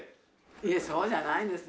いえそうじゃないんですよ。